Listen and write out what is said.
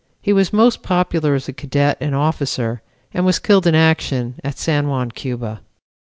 He was most popular as a cadet and officer and was killed in action at San Juan, Cuba.